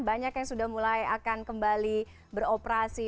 banyak yang sudah mulai akan kembali beroperasi